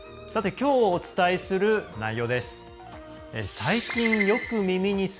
きょうお伝えする内容です。